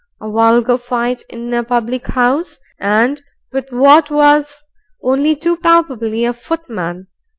A vulgar fight in a public house, and with what was only too palpably a footman!